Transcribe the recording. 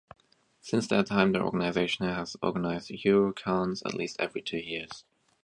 Since that time, the organisation has organized Eurocons at least every two years.